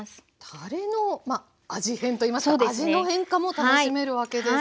たれのまあ味変といいますか味の変化も楽しめるわけですか。